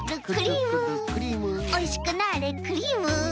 おいしくなあれクリーム。